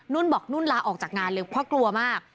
บอกนุ่นลาออกจากงานเลยเพราะกลัวมาก